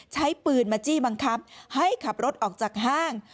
ใช้ปืนมาจี้บังคับให้ขับรถออกจากห้าง